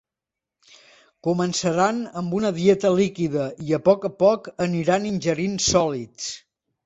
Començaran amb una dieta líquida i a poc a poc aniran ingerint sòlids.